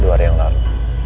dua hari yang lalu